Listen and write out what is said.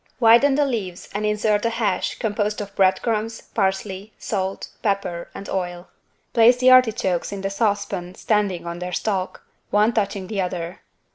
Widen the leaves and insert a hash composed of bread crumbs, parsley, salt, pepper and oil. Place the artichokes in the saucepan standing on their stalk, one touching the other.